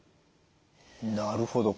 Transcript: なるほど。